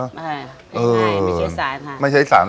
ไม่ใช่ไม่ใช่ไม่ใช่สารค่ะ